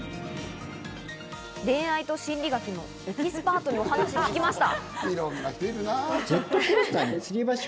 恋愛と心理学のエキスパートにお話を聞きました。